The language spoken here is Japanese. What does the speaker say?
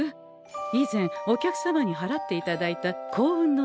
以前お客様にはらっていただいた幸運のお宝でござんす。